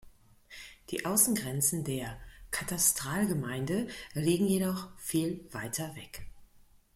Die Außengrenzen der Katastralgemeinde liegen jedoch viel weiter weg.